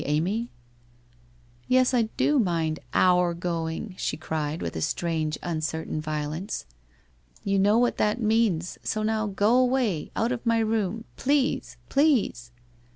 *' Yes, I do mind " our " going,' she cried, with strange uncertain violence. ' You know what that means, so now go away, out of my room — please — please